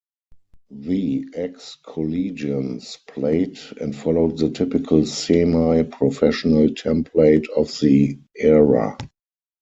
The Ex-Collegians played and followed the typical semi-professional template of the era.